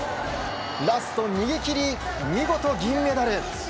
ラスト、逃げ切り見事、銀メダル。